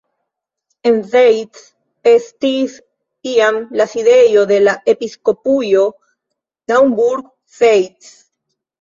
En Zeitz estis iam la sidejo de la Episkopujo Naumburg-Zeitz.